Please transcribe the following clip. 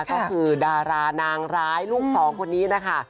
ก็คือดารานางร้ายลูกสองคนนี้นะคะ